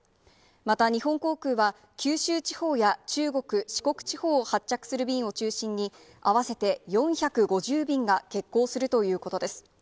また、日本航空は、九州地方や中国、四国地方を発着する便を中心に、合わせて４５０便が欠航するということです。